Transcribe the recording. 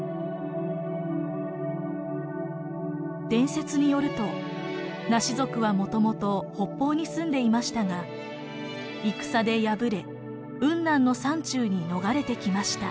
伝説によるとナシ族はもともと北方に住んでいましたが戦で敗れ雲南の山中に逃れてきました。